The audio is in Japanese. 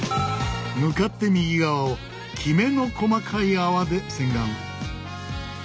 向かって右側をきめの細かい泡で洗顔。